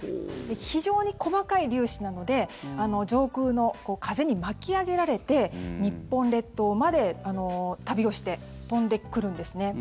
非常に細かい粒子なので上空の風に巻き上げられて日本列島まで旅をして飛んでくるんですね。